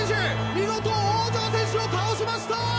見事王城選手を倒しました！